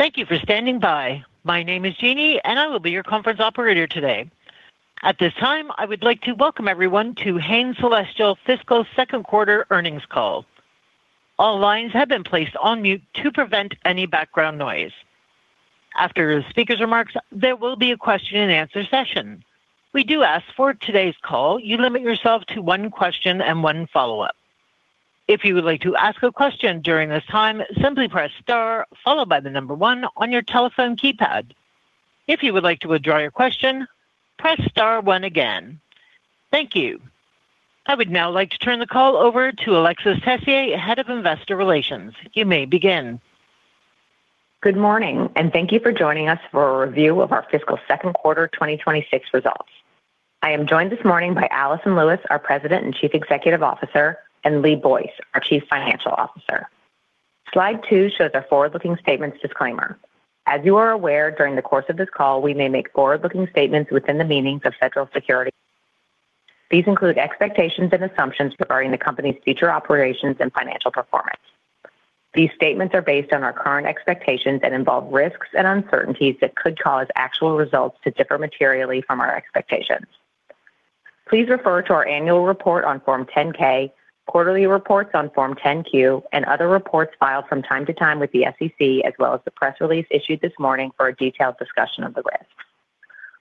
Thank you for standing by. My name is Jeanie, and I will be your conference operator today. At this time, I would like to welcome everyone to Hain Celestial Fiscal Second Quarter Earnings Call. All lines have been placed on mute to prevent any background noise. After speaker's remarks, there will be a question-and-answer session. We do ask, for today's call, you limit yourself to one question and one follow-up. If you would like to ask a question during this time, simply press star followed by the number one on your telephone keypad. If you would like to withdraw your question, press star one again. Thank you. I would now like to turn the call over to Alexis Tessier, Head of Investor Relations. You may begin. Good morning, and thank you for joining us for a review of our fiscal second quarter 2026 results. I am joined this morning by Alison Lewis, our President and Chief Executive Officer, and Lee Boyce, our Chief Financial Officer. Slide 2 shows our forward-looking statements disclaimer. As you are aware, during the course of this call, we may make forward-looking statements within the meanings of federal securities. These include expectations and assumptions regarding the company's future operations and financial performance. These statements are based on our current expectations and involve risks and uncertainties that could cause actual results to differ materially from our expectations. Please refer to our annual report on Form 10-K, quarterly reports on Form 10-Q, and other reports filed from time to time with the SEC, as well as the press release issued this morning for a detailed discussion of the risks.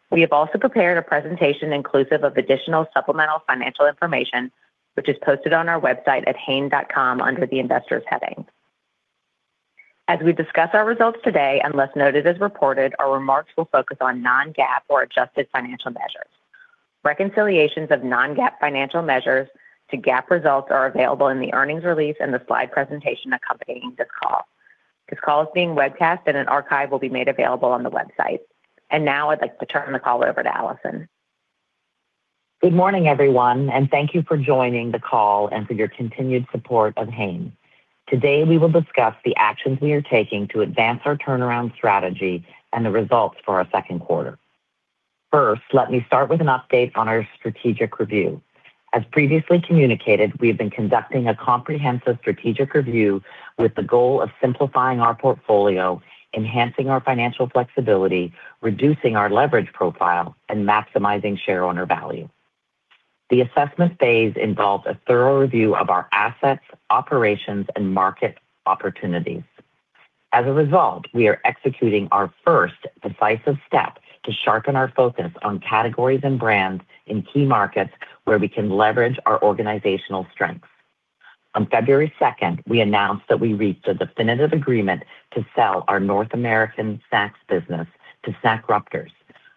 We have also prepared a presentation inclusive of additional supplemental financial information, which is posted on our website at hain.com under the Investors heading. As we discuss our results today, unless noted as reported, our remarks will focus on non-GAAP or adjusted financial measures. Reconciliations of non-GAAP financial measures to GAAP results are available in the earnings release and the slide presentation accompanying this call. This call is being webcast, and an archive will be made available on the website. And now I'd like to turn the call over to Alison. Good morning, everyone, and thank you for joining the call and for your continued support of Hain. Today we will discuss the actions we are taking to advance our turnaround strategy and the results for our second quarter. First, let me start with an update on our strategic review. As previously communicated, we have been conducting a comprehensive strategic review with the goal of simplifying our portfolio, enhancing our financial flexibility, reducing our leverage profile, and maximizing shareholder value. The assessment phase involves a thorough review of our assets, operations, and market opportunities. As a result, we are executing our first decisive step to sharpen our focus on categories and brands in key markets where we can leverage our organizational strengths. On February 2nd, we announced that we reached a definitive agreement to sell North American snacks business to Snackruptors,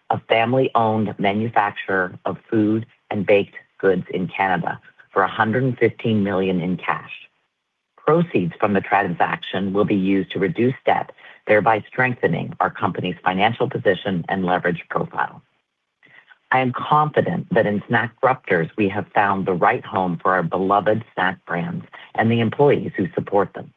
a family-owned manufacturer of food and baked goods in Canada, for $115 million in cash. Proceeds from the transaction will be used to reduce debt, thereby strengthening our company's financial position and leverage profile. I am confident that in Snackruptors, we have found the right home for our beloved snack brands and the employees who support them.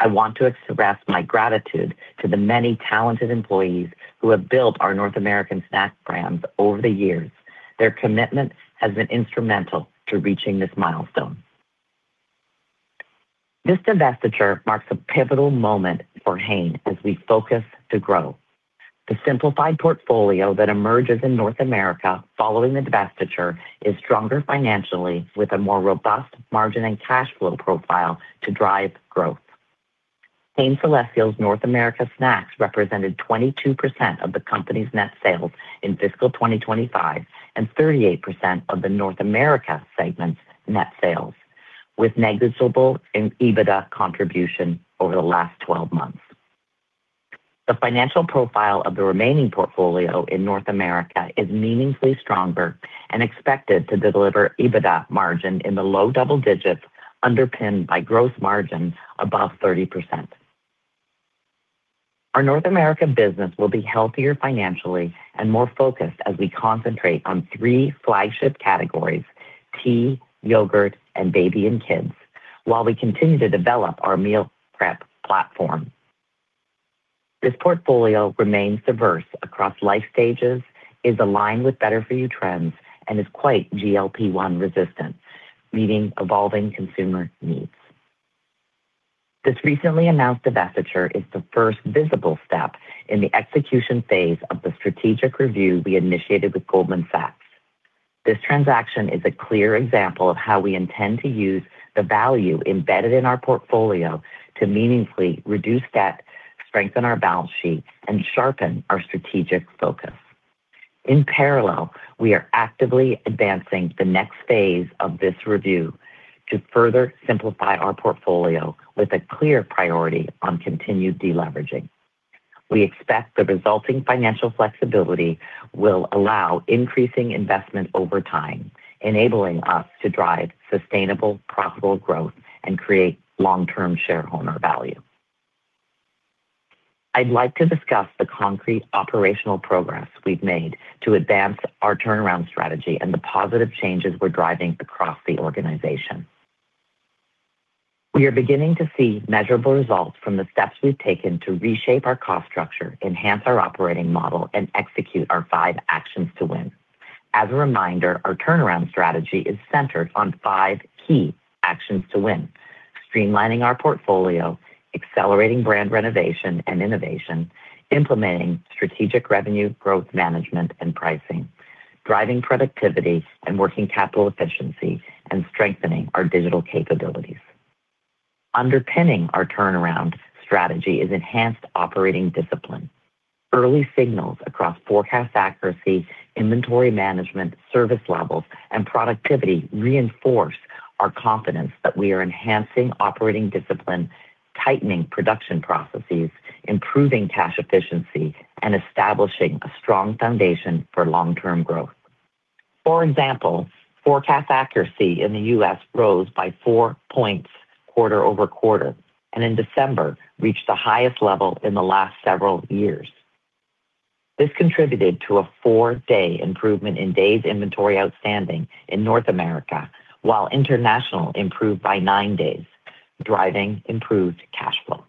I want to express my gratitude to the many talented employees who have built our North American snack brands over the years. Their commitment has been instrumental to reaching this milestone. This divestiture marks a pivotal moment for Hain as we focus to grow. The simplified portfolio that emerges in North America following the divestiture is stronger financially, with a more robust margin and cash flow profile to drive growth. Hain Celestial's North America snacks represented 22% of the company's net sales in fiscal 2025 and 38% of the North America segment's net sales, with negligible EBITDA contribution over the last 12 months. The financial profile of the remaining portfolio in North America is meaningfully stronger and expected to deliver EBITDA margin in the low double digits underpinned by gross margin above 30%. Our North America business will be healthier financially and more focused as we concentrate on three flagship categories: tea, yogurt, and Baby & Kids, while we continue to develop our meal prep platform. This portfolio remains diverse across life stages, is aligned with better-for-you trends, and is quite GLP-1 resistant, meeting evolving consumer needs. This recently announced divestiture is the first visible step in the execution phase of the strategic review we initiated with Goldman Sachs. This transaction is a clear example of how we intend to use the value embedded in our portfolio to meaningfully reduce debt, strengthen our balance sheet, and sharpen our strategic focus. In parallel, we are actively advancing the next phase of this review to further simplify our portfolio with a clear priority on continued deleveraging. We expect the resulting financial flexibility will allow increasing investment over time, enabling us to drive sustainable, profitable growth and create long-term shareholder value. I'd like to discuss the concrete operational progress we've made to advance our turnaround strategy and the positive changes we're driving across the organization. We are beginning to see measurable results from the steps we've taken to reshape our cost structure, enhance our operating model, and execute our five actions to win. As a reminder, our turnaround strategy is centered on five key actions to win: streamlining our portfolio, accelerating brand renovation and innovation, implementing strategic revenue growth management and pricing, driving productivity and working capital efficiency, and strengthening our digital capabilities. Underpinning our turnaround strategy is enhanced operating discipline. Early signals across forecast accuracy, inventory management, service levels, and productivity reinforce our confidence that we are enhancing operating discipline, tightening production processes, improving cash efficiency, and establishing a strong foundation for long-term growth. For example, forecast accuracy in the U.S. rose by four points quarter-over-quarter and in December reached the highest level in the last several years. This contributed to a four-day improvement in days inventory outstanding in North America, while International improved by nine days, driving improved cash flow.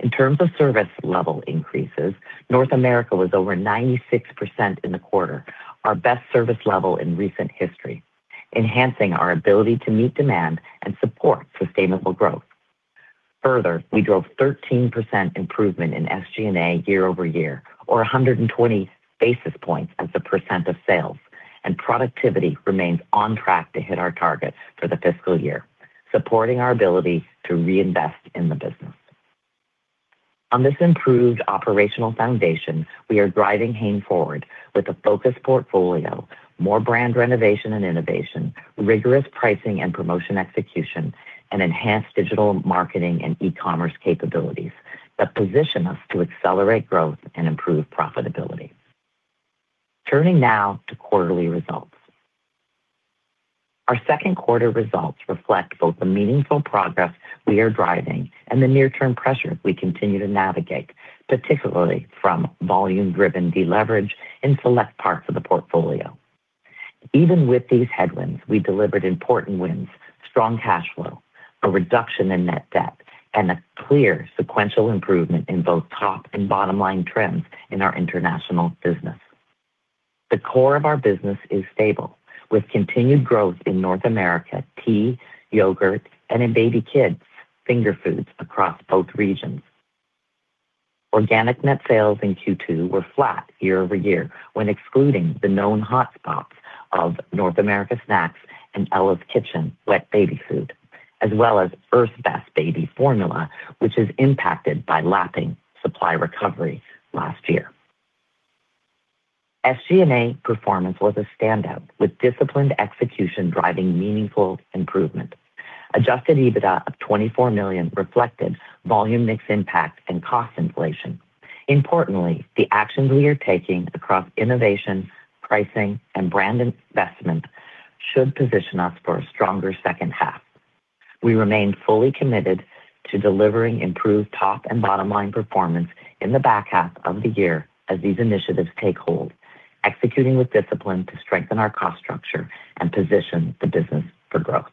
In terms of service level increases, North America was over 96% in the quarter, our best service level in recent history, enhancing our ability to meet demand and support sustainable growth. Further, we drove 13% improvement in SG&A year-over-year, or 120 basis points as a percent of sales, and productivity remains on track to hit our target for the fiscal year, supporting our ability to reinvest in the business. On this improved operational foundation, we are driving Hain forward with a focused portfolio, more brand renovation and innovation, rigorous pricing and promotion execution, and enhanced digital marketing and e-commerce capabilities that position us to accelerate growth and improve profitability. Turning now to quarterly results. Our second quarter results reflect both the meaningful progress we are driving and the near-term pressures we continue to navigate, particularly from volume-driven deleverage in select parts of the portfolio. Even with these headwinds, we delivered important wins: strong cash flow, a reduction in net debt, and a clear sequential improvement in both top and bottom-line trends in our international business. The core of our business is stable, with continued growth in North America tea, yogurt, and in baby kids finger foods across both regions. Organic net sales in Q2 were flat year-over-year when excluding the known hotspots of North America snacks and Ella's Kitchen wet baby food, as well as Earth's Best Baby formula, which is impacted by lapping supply recovery last year. SG&A performance was a standout, with disciplined execution driving meaningful improvement. Adjusted EBITDA of $24 million reflected volume mix impact and cost inflation. Importantly, the actions we are taking across innovation, pricing, and brand investment should position us for a stronger second half. We remain fully committed to delivering improved top and bottom-line performance in the back half of the year as these initiatives take hold, executing with discipline to strengthen our cost structure and position the business for growth.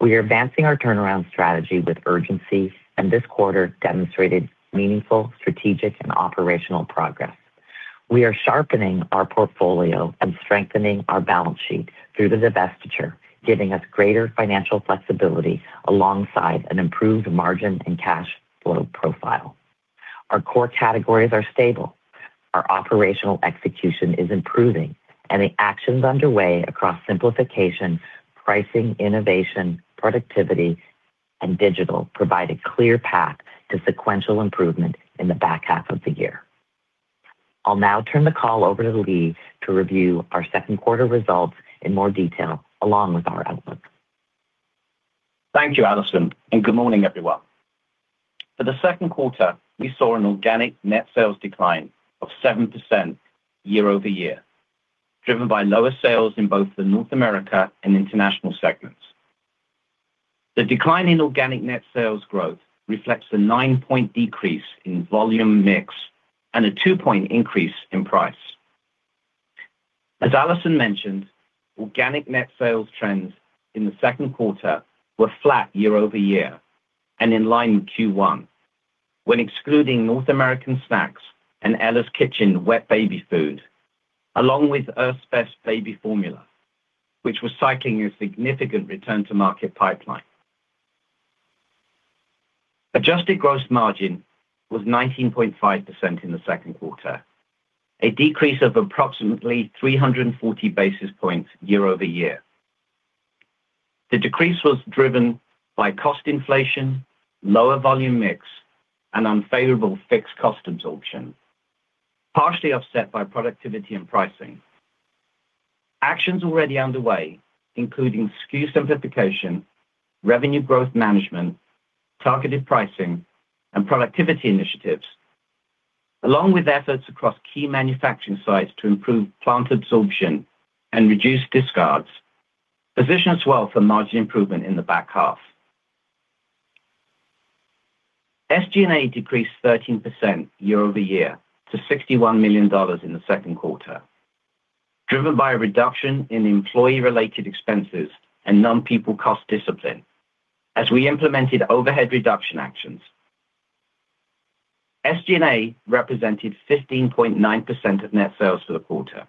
We are advancing our turnaround strategy with urgency, and this quarter demonstrated meaningful strategic and operational progress. We are sharpening our portfolio and strengthening our balance sheet through the divestiture, giving us greater financial flexibility alongside an improved margin and cash flow profile. Our core categories are stable. Our operational execution is improving, and the actions underway across simplification, pricing, innovation, productivity, and digital provide a clear path to sequential improvement in the back half of the year. I'll now turn the call over to Lee to review our second quarter results in more detail along with our outlook. Thank you, Alison, and good morning, everyone. For the second quarter, we saw an organic net sales decline of 7% year-over-year, driven by lower sales in both the North America and international segments. The decline in organic net sales growth reflects a 9-point decrease in volume mix and a 2-point increase in price. As Alison mentioned, organic net sales trends in the second quarter were flat year-over-year and in line with Q1 when excluding North American snacks and Ella's Kitchen wet baby food, along with Earth's Best Baby formula, which was cycling a significant return-to-market pipeline. Adjusted gross margin was 19.5% in the second quarter, a decrease of approximately 340 basis points year-over-year. The decrease was driven by cost inflation, lower volume mix, and unfavorable fixed cost absorption, partially offset by productivity and pricing. Actions already underway, including SKU simplification, revenue growth management, targeted pricing, and productivity initiatives, along with efforts across key manufacturing sites to improve plant absorption and reduce discards, position us well for margin improvement in the back half. SG&A decreased 13% year-over-year to $61 million in the second quarter, driven by a reduction in employee-related expenses and non-people cost discipline. As we implemented overhead reduction actions, SG&A represented 15.9% of net sales for the quarter,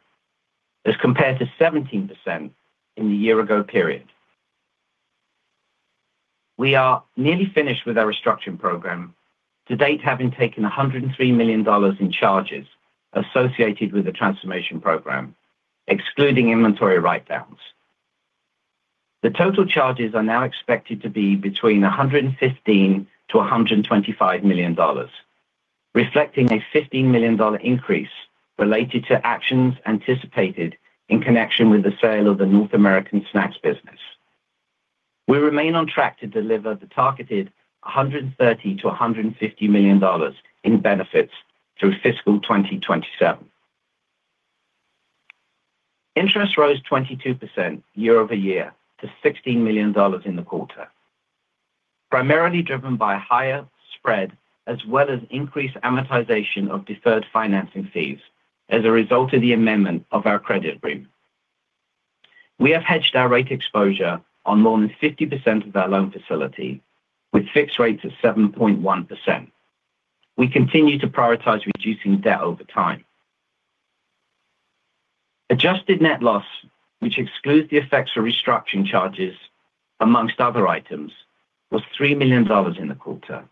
as compared to 17% in the year-ago period. We are nearly finished with our restructuring program, to date having taken $103 million in charges associated with the transformation program, excluding inventory write-downs. The total charges are now expected to be between $115 million-$125 million, reflecting a $15 million increase related to actions anticipated in connection with the sale of the North American snacks business. We remain on track to deliver the targeted $130 million-$150 million in benefits through fiscal 2027. Interest rose 22% year-over-year to $16 million in the quarter, primarily driven by higher spread as well as increased amortization of deferred financing fees as a result of the amendment of our credit agreement. We have hedged our rate exposure on more than 50% of our loan facility, with fixed rates at 7.1%. We continue to prioritize reducing debt over time. Adjusted net loss, which excludes the effects of restructuring charges, among other items, was $3 million in the quarter,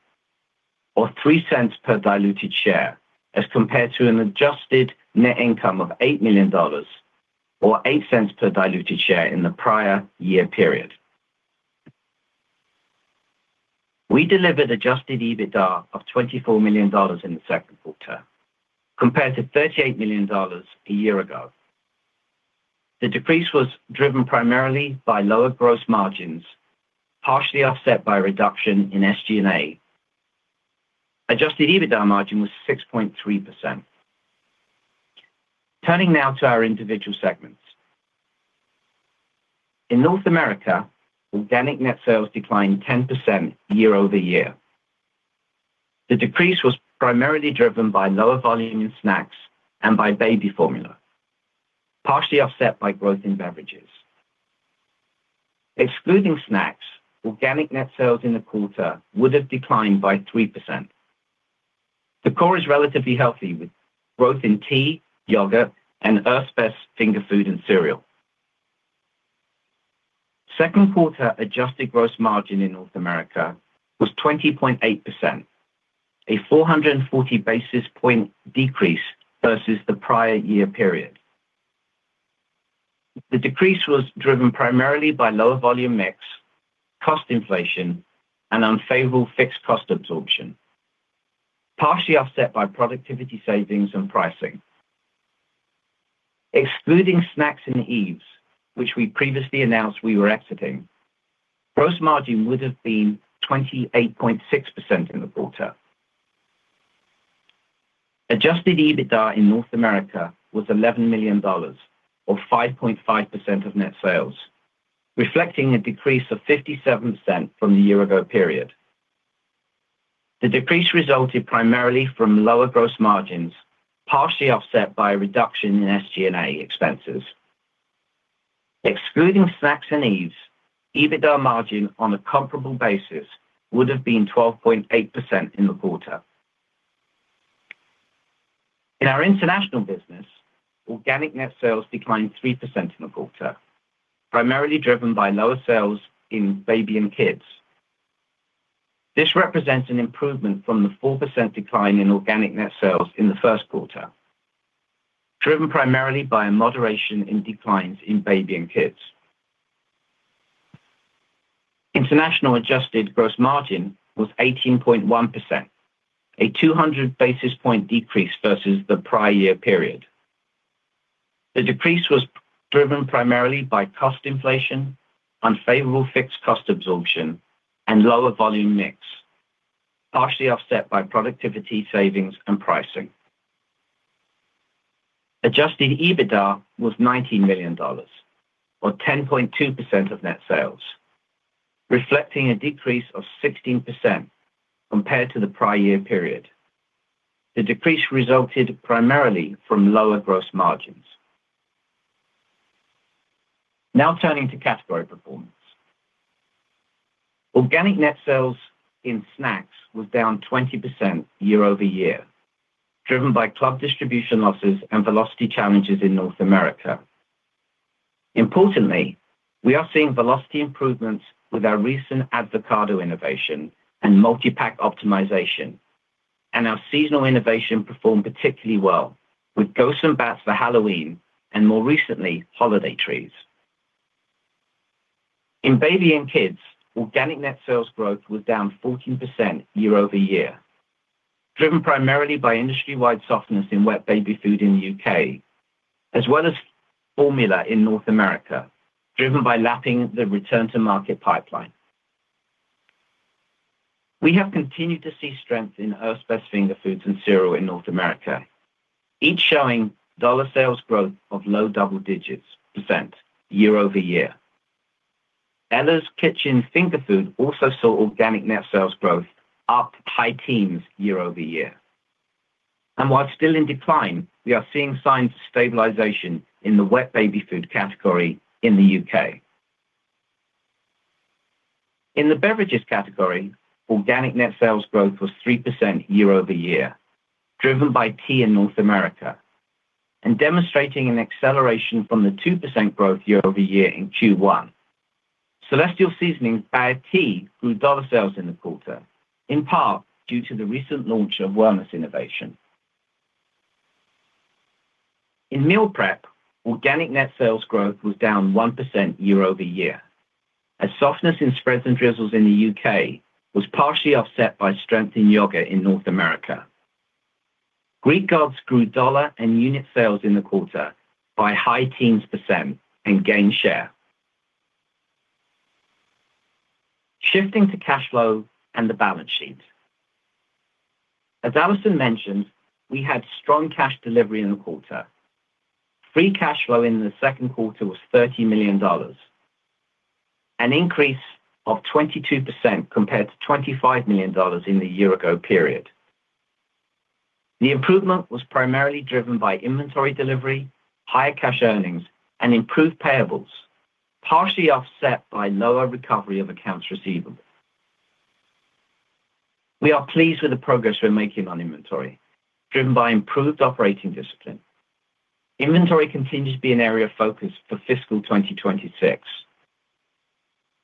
or $0.03 per diluted share, as compared to an adjusted net income of $8 million, or $0.08 per diluted share in the prior year period. We delivered adjusted EBITDA of $24 million in the second quarter, compared to $38 million a year ago. The decrease was driven primarily by lower gross margins, partially offset by reduction in SG&A. Adjusted EBITDA margin was 6.3%. Turning now to our individual segments. In North America, organic net sales declined 10% year-over-year. The decrease was primarily driven by lower volume in snacks and by baby formula, partially offset by growth in beverages. Excluding snacks, organic net sales in the quarter would have declined by 3%. The core is relatively healthy, with growth in tea, yogurt, and Earth's Best finger food and cereal. Second quarter adjusted gross margin in North America was 20.8%, a 440 basis point decrease versus the prior year period. The decrease was driven primarily by lower volume mix, cost inflation, and unfavorable fixed cost absorption, partially offset by productivity savings and pricing. Excluding Snacks and Yves, which we previously announced we were exiting, gross margin would have been 28.6% in the quarter. Adjusted EBITDA in North America was $11 million, or 5.5% of net sales, reflecting a decrease of 57% from the year-ago period. The decrease resulted primarily from lower gross margins, partially offset by a reduction in SG&A expenses. Excluding Snacks and Yves, EBITDA margin on a comparable basis would have been 12.8% in the quarter. In our International business, organic net sales declined 3% in the quarter, primarily driven by lower sales in Baby & Kids. This represents an improvement from the 4% decline in organic net sales in the first quarter, driven primarily by a moderation in declines in Baby & Kids. International adjusted gross margin was 18.1%, a 200 basis point decrease versus the prior year period. The decrease was driven primarily by cost inflation, unfavorable fixed cost absorption, and lower volume mix, partially offset by productivity savings and pricing. Adjusted EBITDA was $19 million, or 10.2% of net sales, reflecting a decrease of 16% compared to the prior year period. The decrease resulted primarily from lower gross margins. Now turning to category performance. Organic net sales in snacks was down 20% year-over-year, driven by club distribution losses and velocity challenges in North America. Importantly, we are seeing velocity improvements with our recent avocado innovation and multi-pack optimization, and our seasonal innovation performed particularly well with Ghosts & Bats for Halloween and, more recently, Holiday Trees. In Baby & Kids, organic net sales growth was down 14% year-over-year, driven primarily by industry-wide softness in wet baby food in the U.K., as well as formula in North America, driven by lapping the return-to-market pipeline. We have continued to see strength in Earth's Best finger foods and cereal in North America, each showing dollar sales growth of low double-digits % year-over-year. Ella's Kitchen finger food also saw organic net sales growth up high teens year-over-year. And while still in decline, we are seeing signs of stabilization in the wet baby food category in the U.K. In the Beverages category, organic net sales growth was 3% year-over-year, driven by tea in North America, and demonstrating an acceleration from the 2% growth year-over-year in Q1. Celestial Seasonings bagged tea grew dollar sales in the quarter, in part due to the recent launch of wellness innovation. In Meal Prep, organic net sales growth was down 1% year-over-year, as softness in spreads and drizzles in the U.K. was partially offset by strength in yogurt in North America. Greek Gods grew dollar and unit sales in the quarter by high teens percent and gained share. Shifting to cash flow and the balance sheet. As Alison mentioned, we had strong cash delivery in the quarter. Free cash flow in the second quarter was $30 million, an increase of 22% compared to $25 million in the year-ago period. The improvement was primarily driven by inventory delivery, higher cash earnings, and improved payables, partially offset by lower recovery of accounts receivable. We are pleased with the progress we're making on inventory, driven by improved operating discipline. Inventory continues to be an area of focus for fiscal 2026.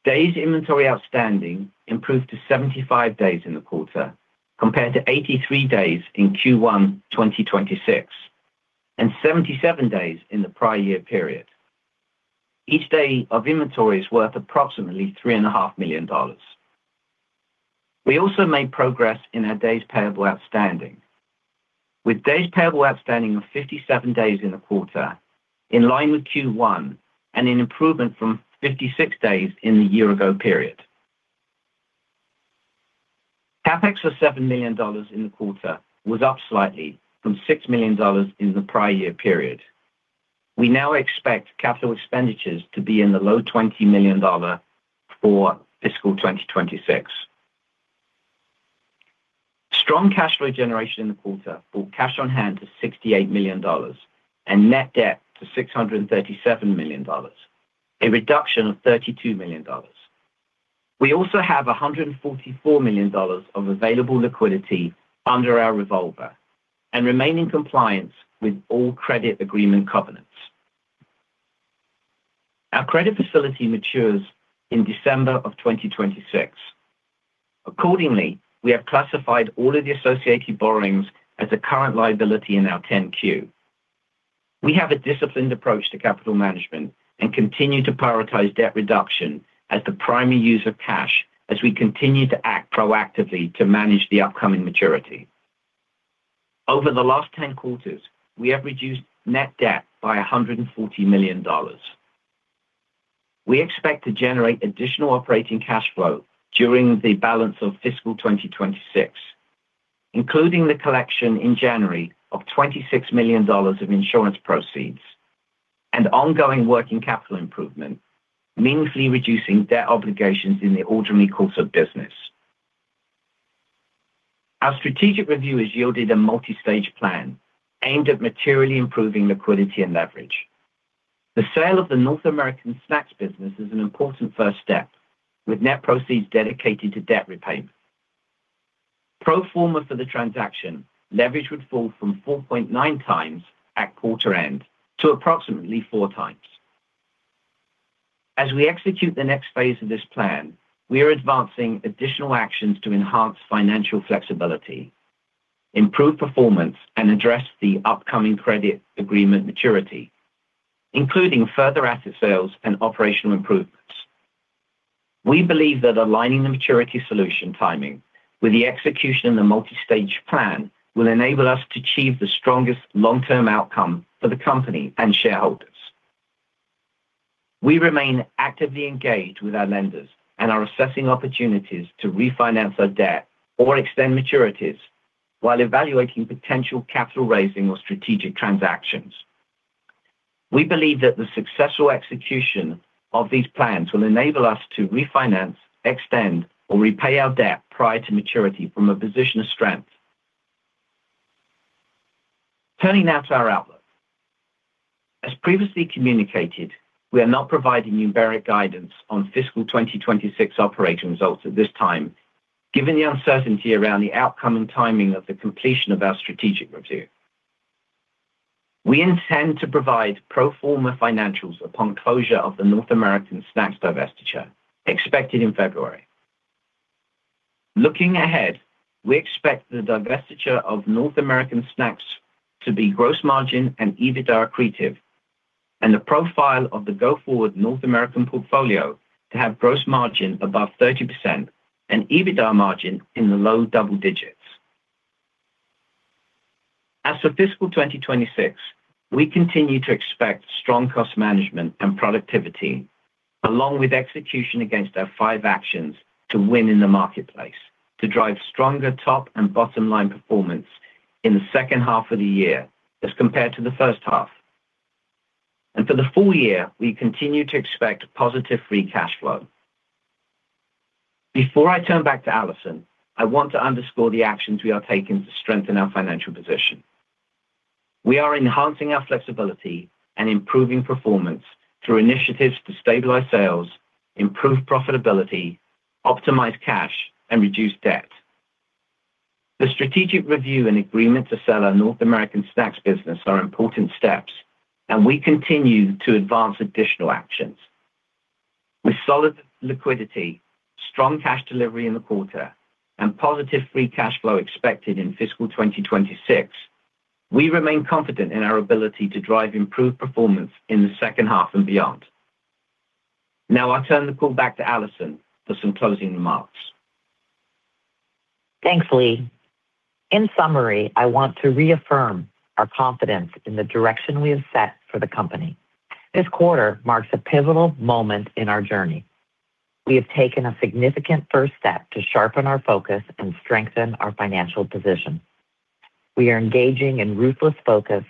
Days inventory outstanding improved to 75 days in the quarter compared to 83 days in Q1 2026 and 77 days in the prior year period. Each day of inventory is worth approximately $3.5 million. We also made progress in our days payable outstanding, with days payable outstanding of 57 days in the quarter in line with Q1 and an improvement from 56 days in the year-ago period. CapEx of $7 million in the quarter was up slightly from $6 million in the prior year period. We now expect capital expenditures to be in the low $20 million for fiscal 2026. Strong cash flow generation in the quarter brought cash on hand to $68 million and net debt to $637 million, a reduction of $32 million. We also have $144 million of available liquidity under our revolver and remain in compliance with all credit agreement covenants. Our credit facility matures in December of 2026. Accordingly, we have classified all of the associated borrowings as a current liability in our 10-Q. We have a disciplined approach to capital management and continue to prioritize debt reduction as the primary use of cash as we continue to act proactively to manage the upcoming maturity. Over the last 10 quarters, we have reduced net debt by $140 million. We expect to generate additional operating cash flow during the balance of fiscal 2026, including the collection in January of $26 million of insurance proceeds and ongoing working capital improvement, meaningfully reducing debt obligations in the ordinary course of business. Our strategic review yielded a multi-stage plan aimed at materially improving liquidity and leverage. The sale of North American snacks business is an important first step, with net proceeds dedicated to debt repayment. Pro forma for the transaction, leverage would fall from 4.9x at quarter end to approximately 4x. As we execute the next phase of this plan, we are advancing additional actions to enhance financial flexibility, improve performance, and address the upcoming credit agreement maturity, including further asset sales and operational improvements. We believe that aligning the maturity solution timing with the execution of the multi-stage plan will enable us to achieve the strongest long-term outcome for the company and shareholders. We remain actively engaged with our lenders and are assessing opportunities to refinance our debt or extend maturities while evaluating potential capital raising or strategic transactions. We believe that the successful execution of these plans will enable us to refinance, extend, or repay our debt prior to maturity from a position of strength. Turning now to our outlook. As previously communicated, we are not providing numeric guidance on fiscal 2026 operating results at this time, given the uncertainty around the outcome and timing of the completion of our strategic review. We intend to provide pro forma financials upon closure of the North American snacks divestiture, expected in February. Looking ahead, we expect the divestiture of North American snacks to be gross margin and EBITDA accretive, and the profile of the go-forward North American portfolio to have gross margin above 30% and EBITDA margin in the low double digits. As for fiscal 2026, we continue to expect strong cost management and productivity, along with execution against our five actions to win in the marketplace, to drive stronger top and bottom line performance in the second half of the year as compared to the first half. For the full year, we continue to expect positive free cash flow. Before I turn back to Alison, I want to underscore the actions we are taking to strengthen our financial position. We are enhancing our flexibility and improving performance through initiatives to stabilize sales, improve profitability, optimize cash, and reduce debt. The strategic review and agreement to sell North American snacks business are important steps, and we continue to advance additional actions. With solid liquidity, strong cash delivery in the quarter, and positive free cash flow expected in fiscal 2026, we remain confident in our ability to drive improved performance in the second half and beyond. Now I turn the call back to Alison for some closing remarks. Thanks, Lee. In summary, I want to reaffirm our confidence in the direction we have set for the company. This quarter marks a pivotal moment in our journey. We have taken a significant first step to sharpen our focus and strengthen our financial position. We are engaging in ruthless focus,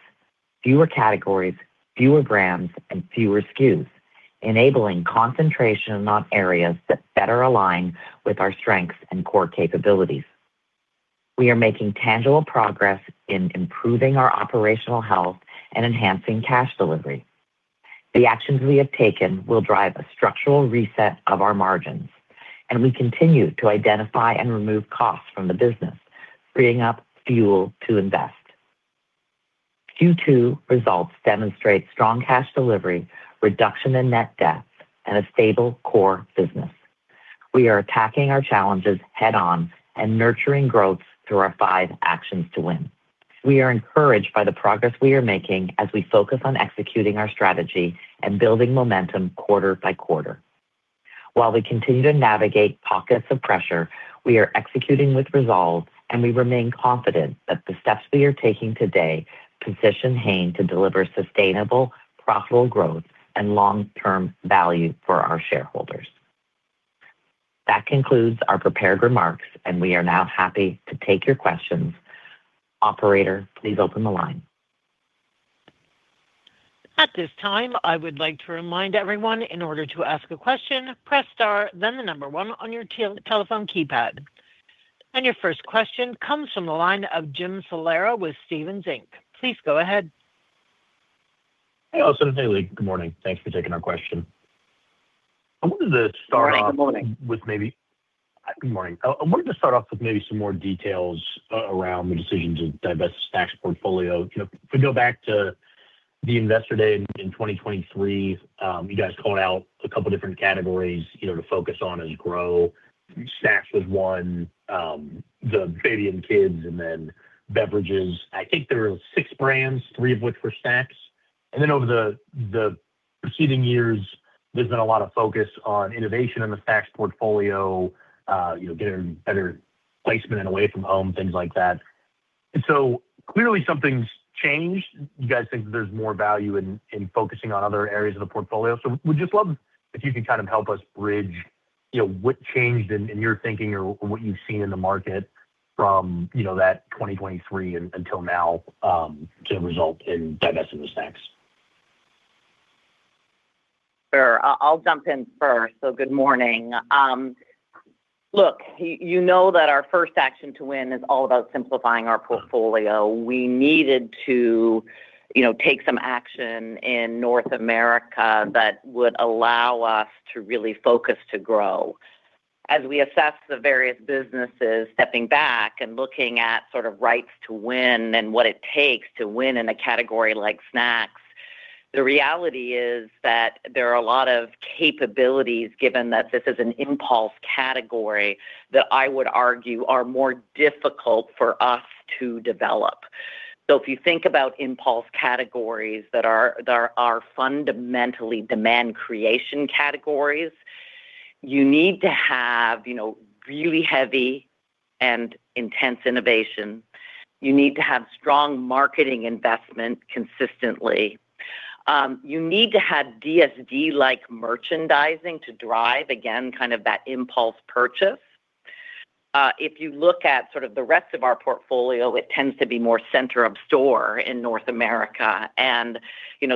fewer categories, fewer grams, and fewer SKUs, enabling concentration on areas that better align with our strengths and core capabilities. We are making tangible progress in improving our operational health and enhancing cash delivery. The actions we have taken will drive a structural reset of our margins, and we continue to identify and remove costs from the business, freeing up fuel to invest. Q2 results demonstrate strong cash delivery, reduction in net debt, and a stable core business. We are attacking our challenges head-on and nurturing growth through our five actions to win. We are encouraged by the progress we are making as we focus on executing our strategy and building momentum quarter by quarter. While we continue to navigate pockets of pressure, we are executing with resolve, and we remain confident that the steps we are taking today position Hain to deliver sustainable, profitable growth and long-term value for our shareholders. That concludes our prepared remarks, and we are now happy to take your questions. Operator, please open the line. At this time, I would like to remind everyone, in order to ask a question, press star, then the number one on your telephone keypad. Your first question comes from the line of Jim Salera with Stephens Inc. Please go ahead. Hey, Alison. Hey, Lee. Good morning. Thanks for taking our question. I wanted to start off. Good morning. Good morning. I wanted to start off with maybe some more details around the decision to divest the snacks portfolio. If we go back to the investor day in 2023, you guys called out a couple of different categories to focus on as growth. Snacks was one, the Baby & Kids, and then Beverages. I think there were six brands, three of which were snacks. And then over the preceding years, there's been a lot of focus on innovation in the snacks portfolio, getting better placement and away from home, things like that. And so clearly, something's changed. You guys think that there's more value in focusing on other areas of the portfolio. So we'd just love if you could kind of help us bridge what changed in your thinking or what you've seen in the market from that 2023 until now to result in divesting the snacks? Sure. I'll jump in first. So good morning. Look, you know that our first action to win is all about simplifying our portfolio. We needed to take some action in North America that would allow us to really focus to grow. As we assess the various businesses, stepping back and looking at sort of rights to win and what it takes to win in a category like snacks, the reality is that there are a lot of capabilities, given that this is an impulse category, that I would argue are more difficult for us to develop. So if you think about impulse categories that are fundamentally demand creation categories, you need to have really heavy and intense innovation. You need to have strong marketing investment consistently. You need to have DSD-like merchandising to drive, again, kind of that impulse purchase. If you look at sort of the rest of our portfolio, it tends to be more center of store in North America. And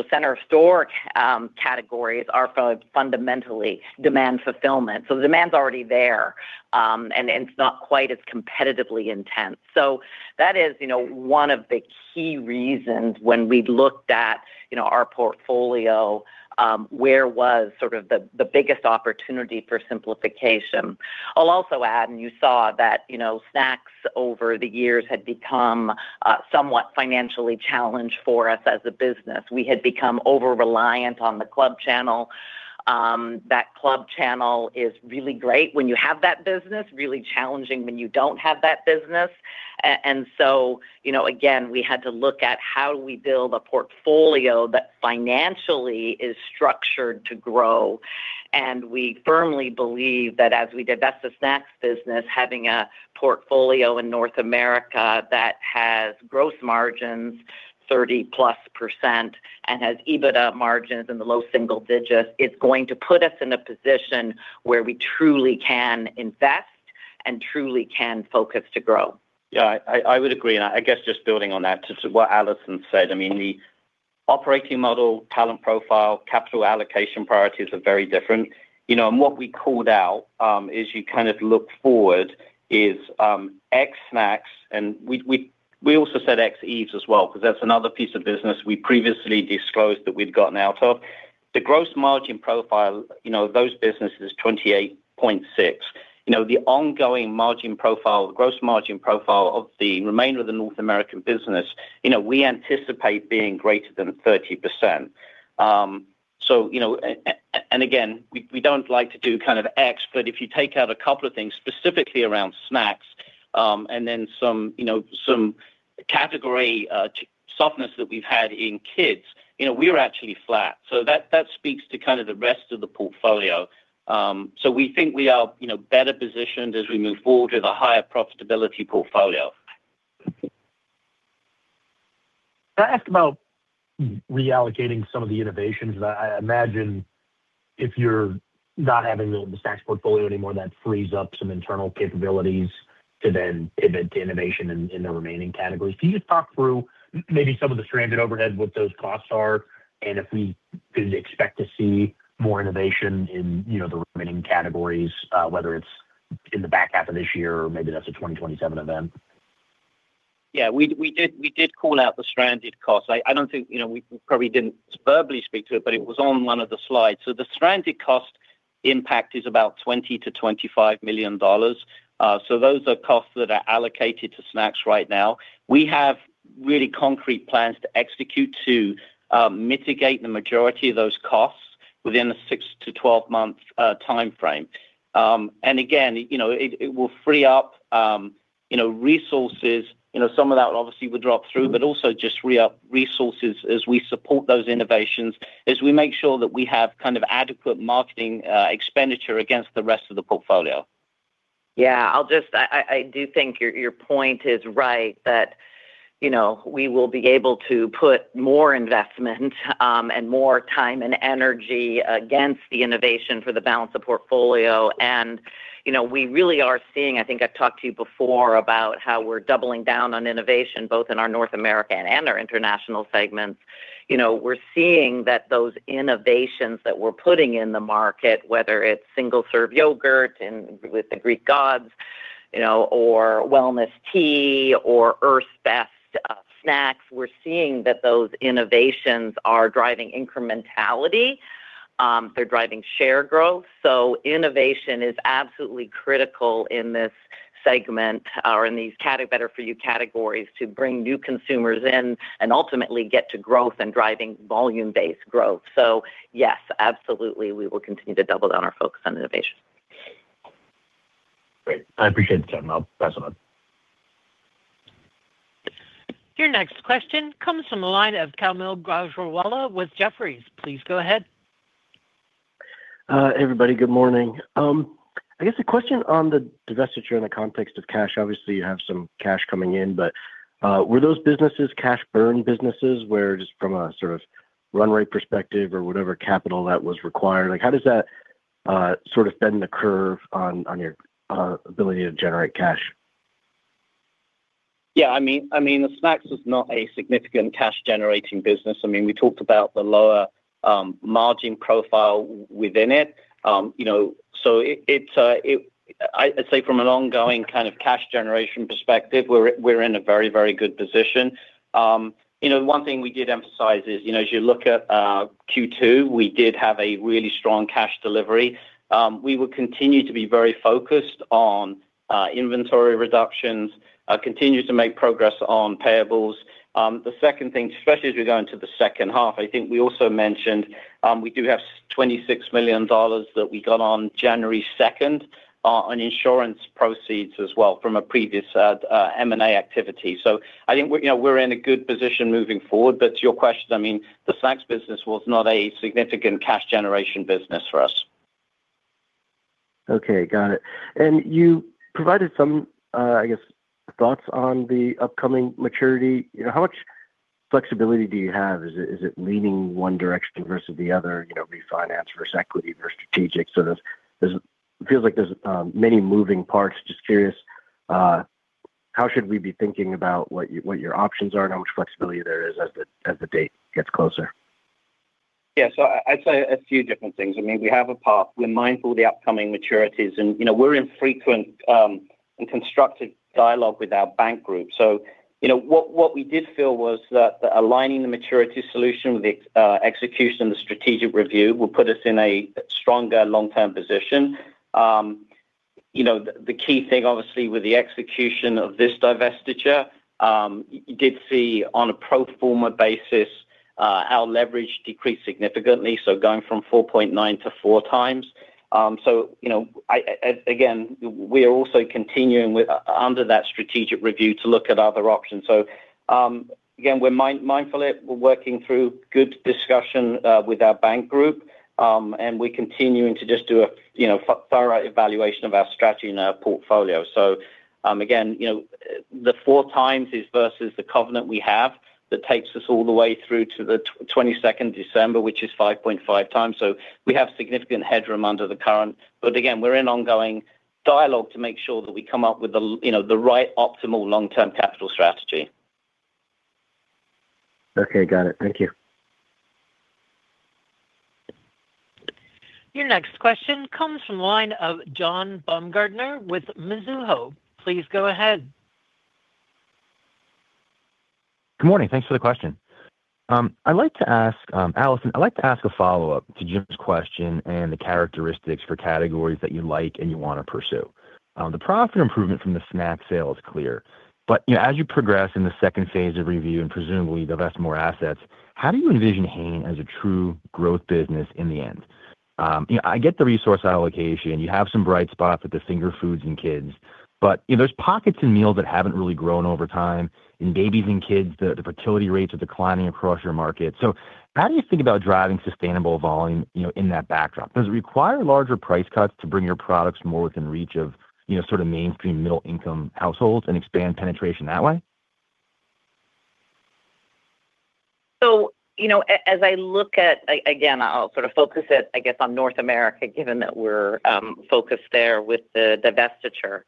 center of store categories are fundamentally demand fulfillment. So the demand's already there, and it's not quite as competitively intense. So that is one of the key reasons when we looked at our portfolio, where was sort of the biggest opportunity for simplification. I'll also add, and you saw that Snacks over the years had become somewhat financially challenged for us as a business. We had become over-reliant on the club channel. That club channel is really great when you have that business, really challenging when you don't have that business. And so again, we had to look at how do we build a portfolio that financially is structured to grow. We firmly believe that as we divest the Snacks business, having a portfolio in North America that has gross margins 30+% and has EBITDA margins in the low single digits, it's going to put us in a position where we truly can invest and truly can focus to grow. Yeah, I would agree. And I guess just building on that to what Alison said, I mean, the operating model, talent profile, capital allocation priorities are very different. And what we called out is you kind of look forward is ex Snacks, and we also said ex Yves as well because that's another piece of business we previously disclosed that we'd gotten out of. The gross margin profile of those businesses is 28.6%. The ongoing margin profile, the gross margin profile of the remainder of the North American business, we anticipate being greater than 30%. And again, we don't like to do kind of ex, but if you take out a couple of things specifically around snacks and then some category softness that we've had in kids, we're actually flat. So that speaks to kind of the rest of the portfolio. We think we are better positioned as we move forward with a higher profitability portfolio. Can I ask about reallocating some of the innovations? I imagine if you're not having the snacks portfolio anymore, that frees up some internal capabilities to then pivot to innovation in the remaining categories. Can you just talk through maybe some of the stranded overhead, what those costs are, and if we could expect to see more innovation in the remaining categories, whether it's in the back half of this year or maybe that's a 2027 event? Yeah, we did call out the stranded costs. I don't think we probably didn't verbally speak to it, but it was on one of the slides. So the stranded cost impact is about $20 million-$25 million. So those are costs that are allocated to snacks right now. We have really concrete plans to execute to mitigate the majority of those costs within a six to 12-month time frame. And again, it will free up resources. Some of that obviously would drop through, but also just free up resources as we support those innovations, as we make sure that we have kind of adequate marketing expenditure against the rest of the portfolio. Yeah, I do think your point is right, that we will be able to put more investment and more time and energy against the innovation for the balance of portfolio. And we really are seeing I think I've talked to you before about how we're doubling down on innovation, both in our North American and our international segments. We're seeing that those innovations that we're putting in the market, whether it's single serve yogurt with The Greek Gods or Wellness Tea or Earth's Best snacks, we're seeing that those innovations are driving incrementality. They're driving share growth. So innovation is absolutely critical in this segment or in these better-for-you categories to bring new consumers in and ultimately get to growth and driving volume-based growth. So yes, absolutely, we will continue to double down our focus on innovation. Great. I appreciate the time. I'll pass on that. Your next question comes from the line of Kaumil Gajrawala with Jefferies. Please go ahead. Hey, everybody. Good morning. I guess the question on the divestiture in the context of cash, obviously, you have some cash coming in, but were those businesses cash-burn businesses where just from a sort of run-rate perspective or whatever capital that was required, how does that sort of bend the curve on your ability to generate cash? Yeah, I mean, the snacks is not a significant cash-generating business. I mean, we talked about the lower margin profile within it. So I'd say from an ongoing kind of cash generation perspective, we're in a very, very good position. One thing we did emphasize is as you look at Q2, we did have a really strong cash delivery. We would continue to be very focused on inventory reductions, continue to make progress on payables. The second thing, especially as we go into the second half, I think we also mentioned we do have $26 million that we got on January 2nd on insurance proceeds as well from a previous M&A activity. So I think we're in a good position moving forward. But to your question, I mean, the Snacks business was not a significant cash generation business for us. Okay, got it. And you provided some, I guess, thoughts on the upcoming maturity. How much flexibility do you have? Is it leaning one direction versus the other, refinance versus equity versus strategic? So it feels like there's many moving parts. Just curious, how should we be thinking about what your options are and how much flexibility there is as the date gets closer? Yeah, so I'd say a few different things. I mean, we have a path. We're mindful of the upcoming maturities, and we're in frequent and constructive dialogue with our bank group. So what we did feel was that aligning the maturity solution with the execution and the strategic review will put us in a stronger long-term position. The key thing, obviously, with the execution of this divestiture, you did see on a pro forma basis, our leverage decreased significantly, so going from 4.9x to 4x. So again, we are also continuing under that strategic review to look at other options. So again, we're mindful of it. We're working through good discussion with our bank group, and we're continuing to just do a thorough evaluation of our strategy and our portfolio. So again, the 4x is versus the covenant we have that takes us all the way through to the 22nd of December, which is 5.5x. So we have significant headroom under the current but again, we're in ongoing dialogue to make sure that we come up with the right optimal long-term capital strategy. Okay, got it. Thank you. Your next question comes from the line of John Baumgartner with Mizuho. Please go ahead. Good morning. Thanks for the question. I'd like to ask Alison, I'd like to ask a follow-up to Jim's question and the characteristics for categories that you like and you want to pursue. The profit improvement from the snack sale is clear. But as you progress in the second phase of review and presumably divest more assets, how do you envision Hain as a true growth business in the end? I get the resource allocation. You have some bright spots with the finger foods and kids. But there's pockets in meals that haven't really grown over time. In babies and kids, the fertility rates are declining across your market. So how do you think about driving sustainable volume in that backdrop? Does it require larger price cuts to bring your products more within reach of sort of mainstream middle-income households and expand penetration that way? So as I look at again, I'll sort of focus it, I guess, on North America, given that we're focused there with the divestiture.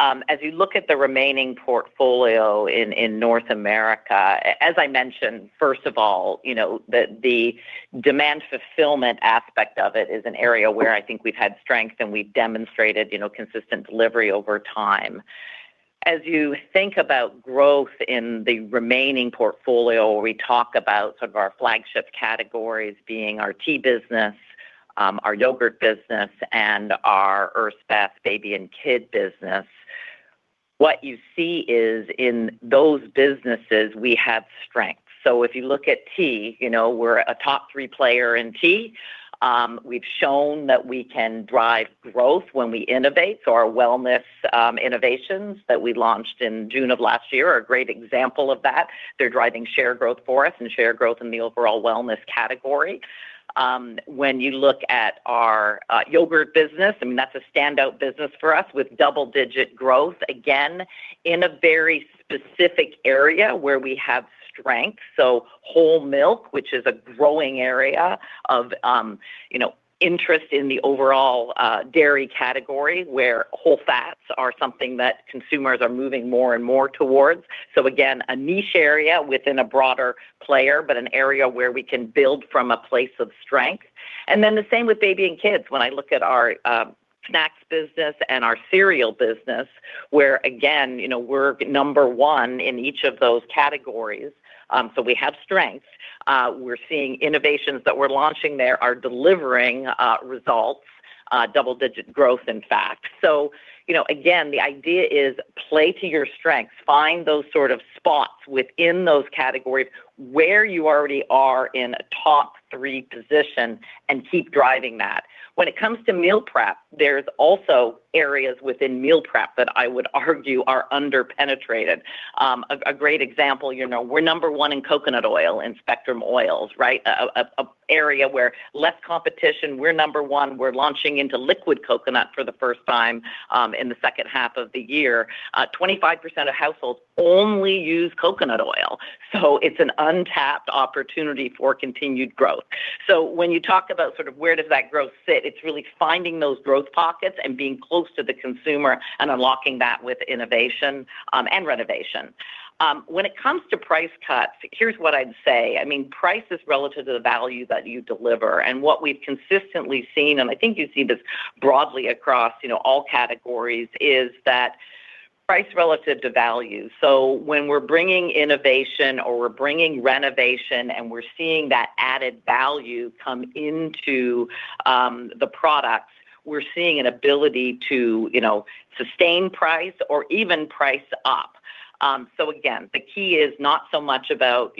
As you look at the remaining portfolio in North America, as I mentioned, first of all, the demand fulfillment aspect of it is an area where I think we've had strength and we've demonstrated consistent delivery over time. As you think about growth in the remaining portfolio, where we talk about sort of our flagship categories being our tea business, our yogurt business, and Earth's Best Baby & Kid business, what you see is in those businesses, we have strength. So if you look at tea, we're a top three player in tea. We've shown that we can drive growth when we innovate. So our wellness innovations that we launched in June of last year are a great example of that. They're driving share growth for us and share growth in the overall wellness category. When you look at our yogurt business, I mean, that's a standout business for us with double-digit growth, again, in a very specific area where we have strength. So whole milk, which is a growing area of interest in the overall dairy category where whole fats are something that consumers are moving more and more towards. So again, a niche area within a broader player, but an area where we can build from a place of strength. And then the same with Baby & Kids. When I look at our Snacks business and our cereal business, where again, we're number one in each of those categories. So we have strengths. We're seeing innovations that we're launching there are delivering results, double-digit growth, in fact. So again, the idea is play to your strengths, find those sort of spots within those categories where you already are in a top three position, and keep driving that. When it comes to meal prep, there's also areas within meal prep that I would argue are under-penetrated. A great example, we're number one in coconut oil in Spectrum oils, right? An area where less competition, we're number one. We're launching into liquid coconut for the first time in the second half of the year. 25% of households only use coconut oil. So it's an untapped opportunity for continued growth. So when you talk about sort of where does that growth sit, it's really finding those growth pockets and being close to the consumer and unlocking that with innovation and renovation. When it comes to price cuts, here's what I'd say. I mean, price is relative to the value that you deliver. And what we've consistently seen, and I think you see this broadly across all categories, is that price relative to value. So when we're bringing innovation or we're bringing renovation and we're seeing that added value come into the products, we're seeing an ability to sustain price or even price up. So again, the key is not so much about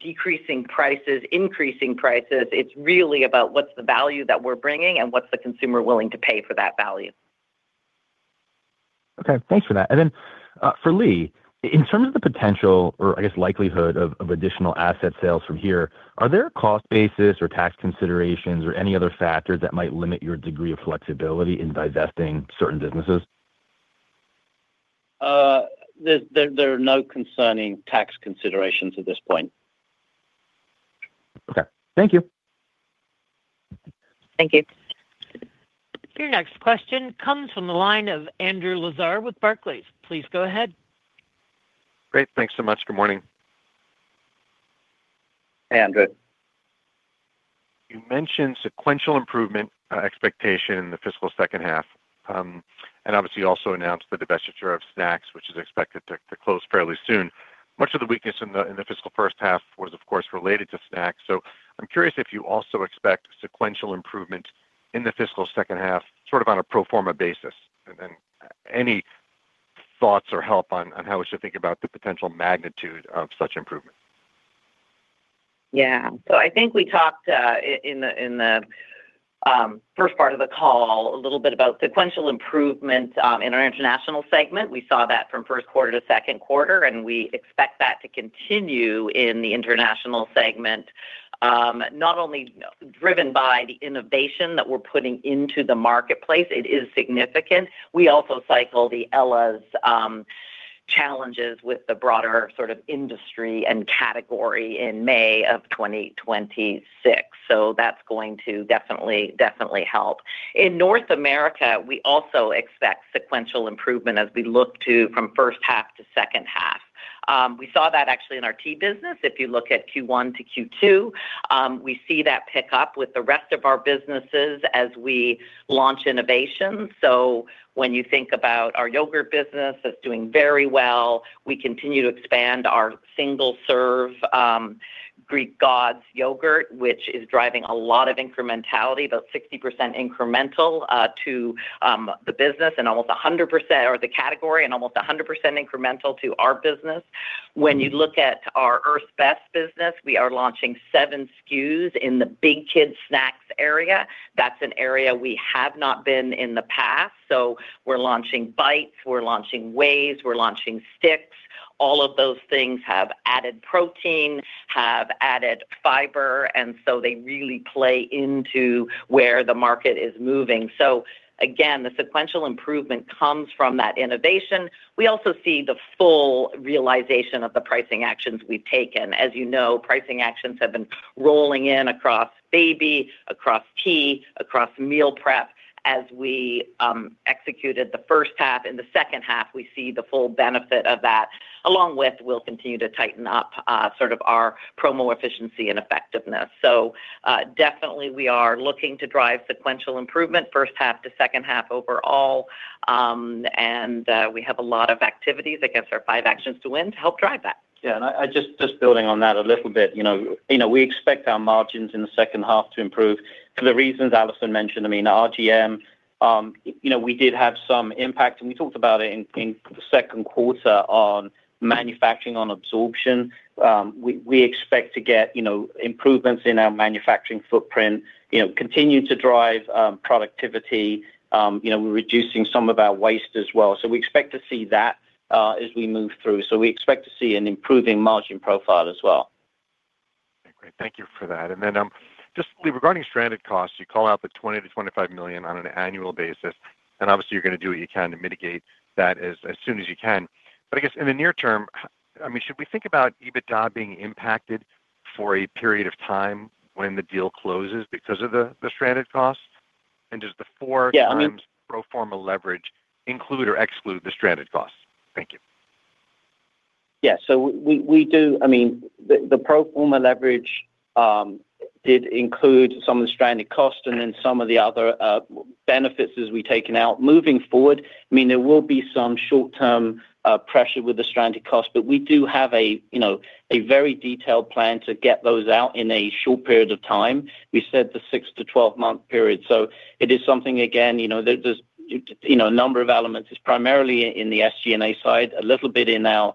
decreasing prices, increasing prices. It's really about what's the value that we're bringing and what's the consumer willing to pay for that value. Okay, thanks for that. Then for Lee, in terms of the potential or, I guess, likelihood of additional asset sales from here, are there cost basis or tax considerations or any other factors that might limit your degree of flexibility in divesting certain businesses? There are no concerning tax considerations at this point. Okay, thank you. Thank you. Your next question comes from the line of Andrew Lazar with Barclays. Please go ahead. Great. Thanks so much. Good morning. Hey, Andrew. You mentioned sequential improvement expectation in the fiscal second half. Obviously, you also announced the divestiture of snacks, which is expected to close fairly soon. Much of the weakness in the fiscal first half was, of course, related to snacks. I'm curious if you also expect sequential improvement in the fiscal second half, sort of on a pro forma basis. Then any thoughts or help on how we should think about the potential magnitude of such improvement? Yeah. So I think we talked in the first part of the call a little bit about sequential improvement in our international segment. We saw that from first quarter to second quarter, and we expect that to continue in the international segment, not only driven by the innovation that we're putting into the marketplace. It is significant. We also cycle the Ella's challenges with the broader sort of industry and category in May of 2026. So that's going to definitely help. In North America, we also expect sequential improvement as we look to from first half to second half. We saw that actually in our tea business. If you look at Q1 to Q2, we see that pick up with the rest of our businesses as we launch innovation. So when you think about our yogurt business that's doing very well, we continue to expand our single serve Greek Gods yogurt, which is driving a lot of incrementality, about 60% incremental to the business and almost 100% or the category and almost 100% incremental to our business. When you look at our Earth's Best business, we are launching seven SKUs in the big kids snacks area. That's an area we have not been in the past. So we're launching bites. We're launching waves. We're launching sticks. All of those things have added protein, have added fiber, and so they really play into where the market is moving. So again, the sequential improvement comes from that innovation. We also see the full realization of the pricing actions we've taken. As you know, pricing actions have been rolling in across baby, across tea, across meal prep. As we executed the first half, in the second half, we see the full benefit of that, along with we'll continue to tighten up sort of our promo efficiency and effectiveness. So definitely, we are looking to drive sequential improvement first half to second half overall. And we have a lot of activities, I guess, or five actions to win to help drive that. Yeah, and just building on that a little bit, we expect our margins in the second half to improve. For the reasons Alison mentioned, I mean, RGM, we did have some impact, and we talked about it in the second quarter on manufacturing on absorption. We expect to get improvements in our manufacturing footprint, continue to drive productivity. We're reducing some of our waste as well. So we expect to see that as we move through. So we expect to see an improving margin profile as well. Okay, great. Thank you for that. And then just regarding stranded costs, you call out the $20 million-$25 million on an annual basis. And obviously, you're going to do what you can to mitigate that as soon as you can. But I guess in the near term, I mean, should we think about EBITDA being impacted for a period of time when the deal closes because of the stranded costs? And does the 4x pro forma leverage include or exclude the stranded costs? Thank you. Yeah, so we do. I mean, the pro forma leverage did include some of the stranded costs and then some of the other benefits as we taken out moving forward. I mean, there will be some short-term pressure with the stranded costs, but we do have a very detailed plan to get those out in a short period of time. We said the six to 12-month period. So it is something, again, there's a number of elements. It's primarily in the SG&A side, a little bit in our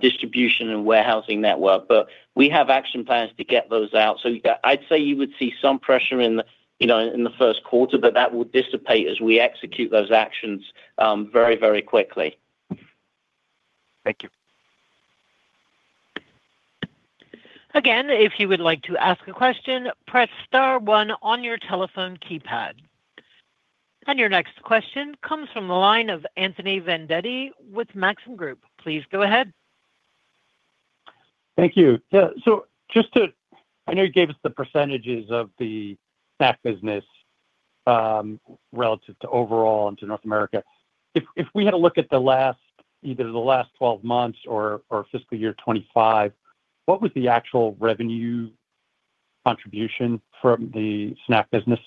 distribution and warehousing network. But we have action plans to get those out. So I'd say you would see some pressure in the first quarter, but that will dissipate as we execute those actions very, very quickly. Thank you. Again, if you would like to ask a question, press star one on your telephone keypad. Your next question comes from the line of Anthony Vendetti with Maxim Group. Please go ahead. Thank you. Yeah. So just to, I know you gave us the percentages of the snack business relative to overall and to North America. If we had to look at either the last 12 months or fiscal year 2025, what was the actual revenue contribution from the snack business?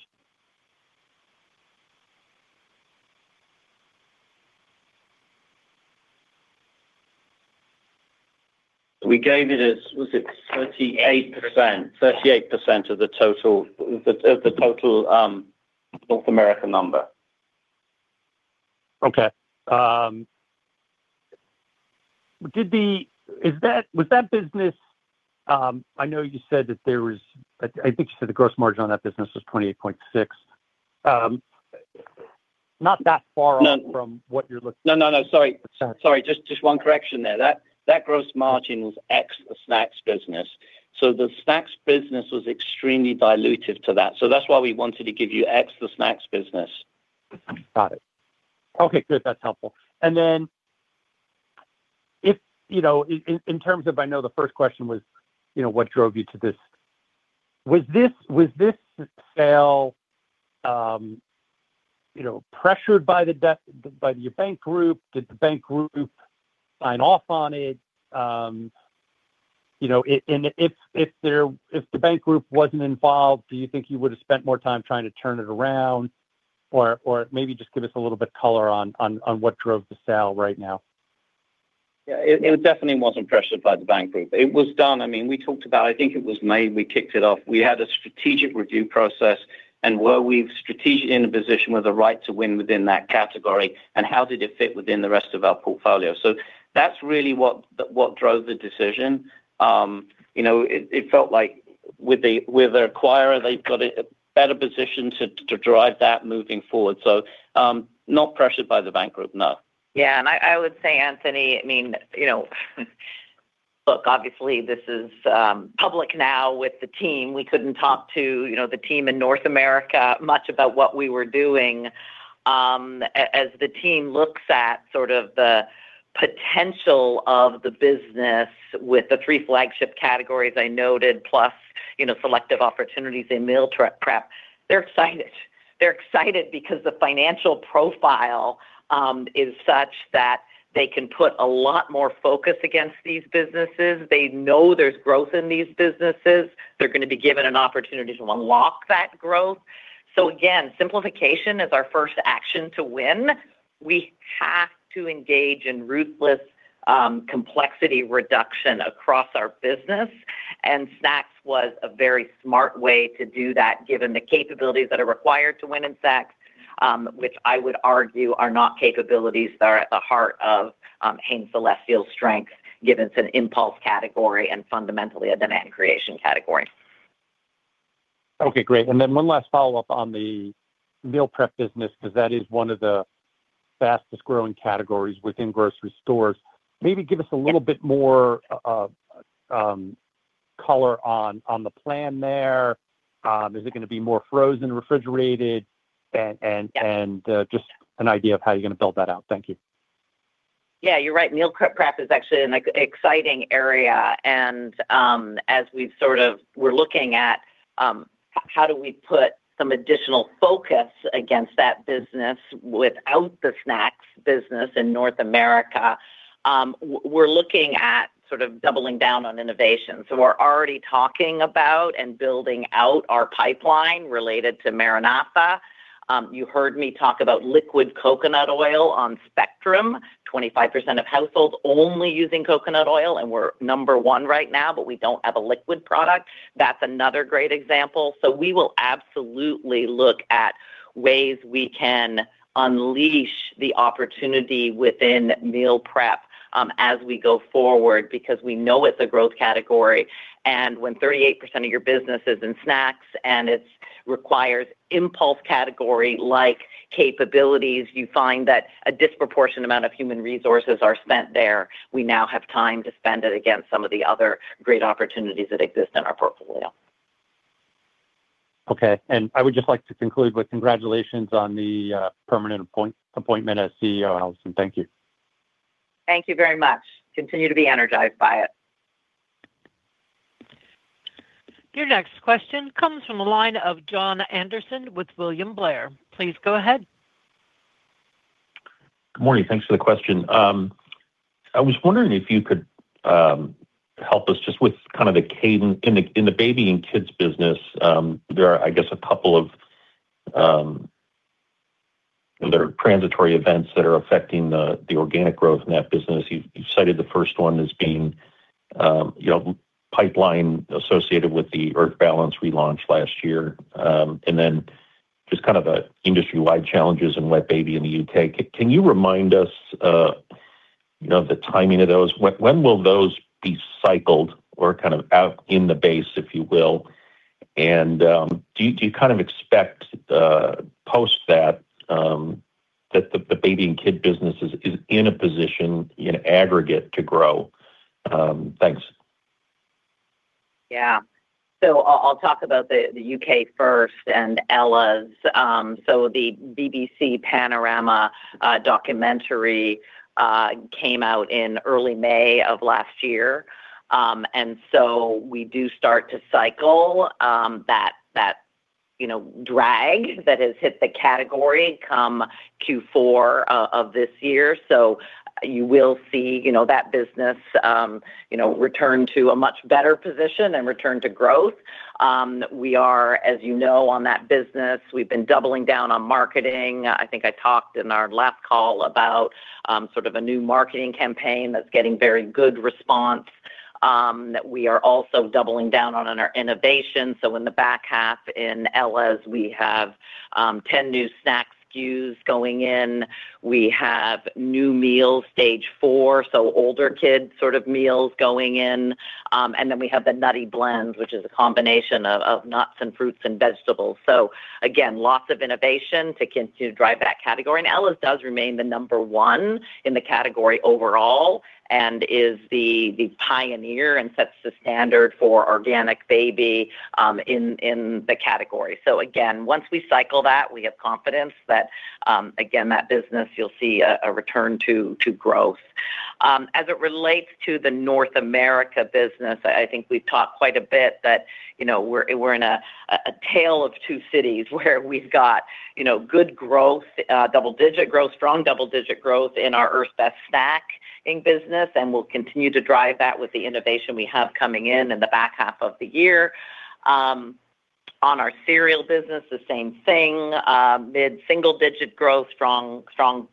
We gave it as was it 38%? 38% of the total North American number. Okay. Was that business? I know you said that there was, I think you said, the gross margin on that business was 28.6. Not that far off from what you're looking at. No, no, no. Sorry. Sorry. Just one correction there. That gross margin was ex the Snacks business. So the Snacks business was extremely dilutive to that. So that's why we wanted to give you ex the Snacks business. Got it. Okay, good. That's helpful. And then in terms of I know the first question was what drove you to this. Was this sale pressured by your bank group? Did the bank group sign off on it? And if the bank group wasn't involved, do you think you would have spent more time trying to turn it around? Or maybe just give us a little bit color on what drove the sale right now? Yeah, it definitely wasn't pressured by the bank group. It was done. I mean, we talked about, I think it was May, we kicked it off. We had a strategic review process. And were we strategically in a position with the right to win within that category? And how did it fit within the rest of our portfolio? So that's really what drove the decision. It felt like with their acquirer, they've got a better position to drive that moving forward. So not pressured by the bank group, no. Yeah. And I would say, Anthony, I mean, look, obviously, this is public now with the team. We couldn't talk to the team in North America much about what we were doing. As the team looks at sort of the potential of the business with the three flagship categories I noted, plus selective opportunities in meal prep, they're excited. They're excited because the financial profile is such that they can put a lot more focus against these businesses. They know there's growth in these businesses. They're going to be given an opportunity to unlock that growth. So again, simplification is our first action to win. We have to engage in ruthless complexity reduction across our business. Snacks was a very smart way to do that given the capabilities that are required to win in snacks, which I would argue are not capabilities that are at the heart of Hain Celestial's strengths given it's an impulse category and fundamentally a demand creation category. Okay, great. Then one last follow-up on the Meal Prep business because that is one of the fastest-growing categories within grocery stores. Maybe give us a little bit more color on the plan there. Is it going to be more frozen/refrigerated? And just an idea of how you're going to build that out? Thank you. Yeah, you're right. Meal Prep is actually an exciting area. And as we're looking at how do we put some additional focus against that business without the Snacks business in North America, we're looking at sort of doubling down on innovation. So we're already talking about and building out our pipeline related to MaraNatha. You heard me talk about liquid coconut oil on Spectrum, 25% of households only using coconut oil. And we're number one right now, but we don't have a liquid product. That's another great example. So we will absolutely look at ways we can unleash the opportunity within meal prep as we go forward because we know it's a growth category. And when 38% of your business is in snacks and it requires impulse category-like capabilities, you find that a disproportionate amount of human resources are spent there. We now have time to spend it against some of the other great opportunities that exist in our portfolio. Okay. I would just like to conclude with congratulations on the permanent appointment as CEO, Alison. Thank you. Thank you very much. Continue to be energized by it. Your next question comes from the line of Jon Andersen with William Blair. Please go ahead. Good morning. Thanks for the question. I was wondering if you could help us just with kind of the cadence in the Baby & Kids business. There are, I guess, a couple of other transitory events that are affecting the organic growth in that business. You cited the first one as being pipeline associated with the Earth's Best relaunch last year. And then just kind of the industry-wide challenges in wet baby in the U.K. Can you remind us of the timing of those? When will those be cycled or kind of out in the base, if you will? And do you kind of expect post that that the Baby & Kid business is in a position in aggregate to grow? Thanks. Yeah. So I'll talk about the U.K. first and Ella's. So the BBC Panorama documentary came out in early May of last year. And so we do start to cycle that drag that has hit the category come Q4 of this year. So you will see that business return to a much better position and return to growth. We are, as you know, on that business. We've been doubling down on marketing. I think I talked in our last call about sort of a new marketing campaign that's getting very good response. We are also doubling down on our innovation. So in the back half in Ella's, we have 10 new snack SKUs going in. We have new meals, Stage 4, so older kids sort of meals going in. And then we have the Nutty Blends, which is a combination of nuts and fruits and vegetables. So again, lots of innovation to continue to drive that category. And Ella's does remain the number one in the category overall and is the pioneer and sets the standard for organic baby in the category. So again, once we cycle that, we have confidence that, again, that business, you'll see a return to growth. As it relates to the North America business, I think we've talked quite a bit that we're in a tale of two cities where we've got good growth, double-digit growth, strong double-digit growth in our Earth's Best snacking business. And we'll continue to drive that with the innovation we have coming in in the back half of the year. On our cereal business, the same thing. Mid-single-digit growth, strong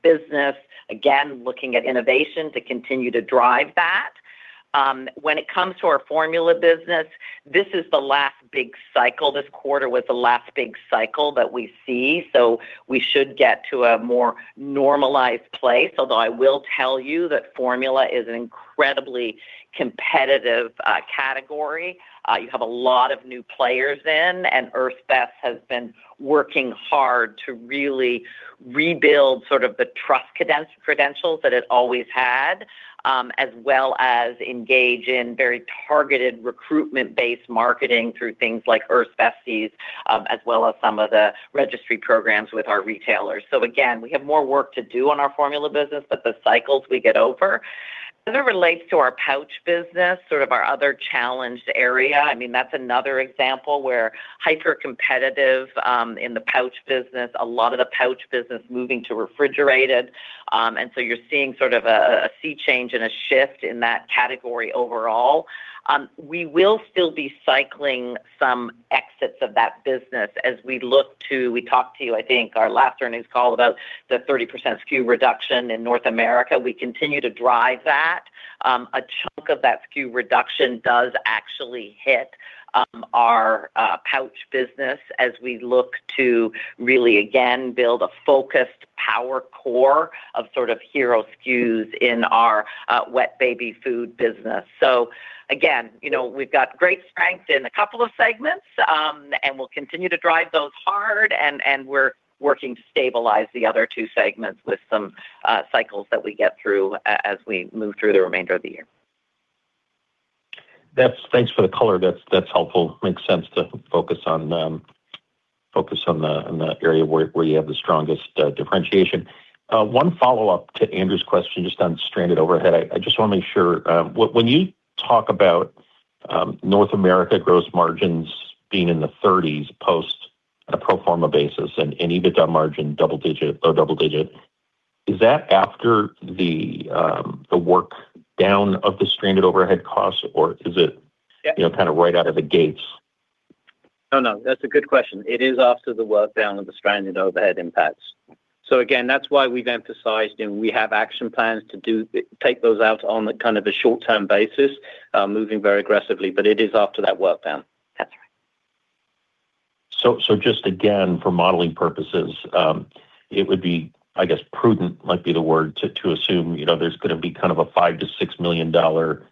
business. Again, looking at innovation to continue to drive that. When it comes to our formula business, this is the last big cycle. This quarter was the last big cycle that we see. So we should get to a more normalized place. Although I will tell you that formula is an incredibly competitive category. You have a lot of new players in. Earth's Best has been working hard to really rebuild sort of the trust credentials that it always had, as well as engage in very targeted recruitment-based marketing through things like Earth's Besties, as well as some of the registry programs with our retailers. So again, we have more work to do on our formula business, but the cycles, we get over. As it relates to our pouch business, sort of our other challenged area, I mean, that's another example where hyper-competitive in the pouch business, a lot of the pouch business moving to refrigerated. And so you're seeing sort of a sea change and a shift in that category overall. We will still be cycling some exits of that business as we look to, we talked to you, I think, our last earnings call about the 30% SKU reduction in North America. We continue to drive that. A chunk of that SKU reduction does actually hit our pouch business as we look to really, again, build a focused power core of sort of hero SKUs in our wet baby food business. So again, we've got great strength in a couple of segments. And we'll continue to drive those hard. And we're working to stabilize the other two segments with some cycles that we get through as we move through the remainder of the year. Thanks for the color. That's helpful. Makes sense to focus on the area where you have the strongest differentiation. One follow-up to Andrew's question just on stranded overhead. I just want to make sure when you talk about North America gross margins being in the 30s post on a pro forma basis and EBITDA margin double-digit, low double-digit, is that after the workdown of the stranded overhead costs, or is it kind of right out of the gates? No, no. That's a good question. It is after the workdown of the stranded overhead impacts. So again, that's why we've emphasized and we have action plans to take those out on kind of a short-term basis, moving very aggressively. But it is after that workdown. That's right. So just again, for modeling purposes, it would be, I guess, prudent might be the word to assume there's going to be kind of a $5 million-$6 million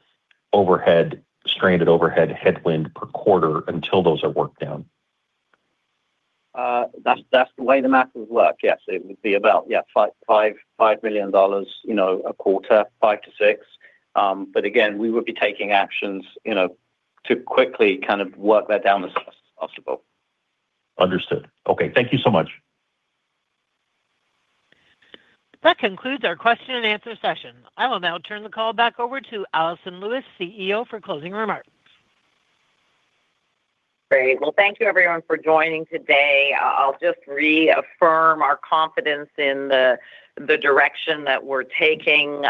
overhead, stranded overhead headwind per quarter until those are worked down. That's the way the math would work. Yes, it would be about, yeah, $5 million a quarter, $5 million-$6 million. But again, we would be taking actions to quickly kind of work that down as fast as possible. Understood. Okay. Thank you so much. That concludes our question and answer session. I will now turn the call back over to Alison Lewis, CEO, for closing remarks. Great. Well, thank you, everyone, for joining today. I'll just reaffirm our confidence in the direction that we're taking.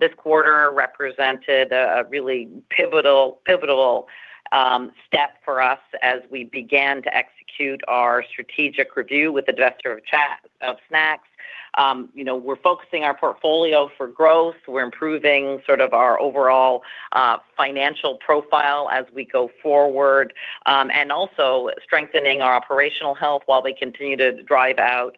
This quarter represented a really pivotal step for us as we began to execute our strategic review with the divestiture of snacks. We're focusing our portfolio for growth. We're improving sort of our overall financial profile as we go forward and also strengthening our operational health while we continue to drive out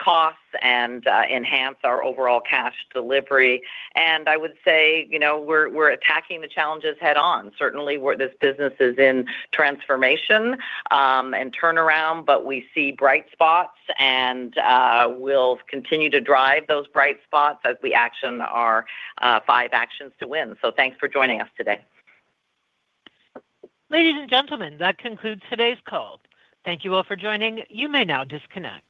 costs and enhance our overall cash delivery. And I would say we're attacking the challenges head-on. Certainly, this business is in transformation and turnaround, but we see bright spots. And we'll continue to drive those bright spots as we action our five actions to win. So thanks for joining us today. Ladies and gentlemen, that concludes today's call. Thank you all for joining. You may now disconnect.